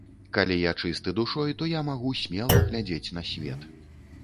Калі я чысты душой, то я магу смела глядзець на свет.